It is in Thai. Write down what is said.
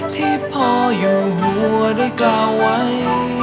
ที่พ่ออยู่หัวได้กล่าวไว้